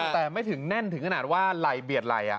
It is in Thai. แต่ไม่ถึงแน่นถึงขนาดว่าไหล่เบียดไหล่